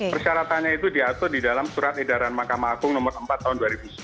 persyaratannya itu diatur di dalam surat edaran mahkamah agung nomor empat tahun dua ribu sebelas